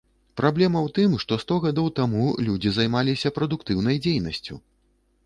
Праблема ў тым, што сто гадоў таму людзі займаліся прадуктыўнай дзейнасцю.